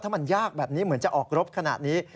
ถ้ามันยากแบบนี้เหมือนจะออกรบขนาดนี้